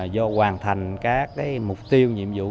do hoàn thành các mục tiêu nhiệm vụ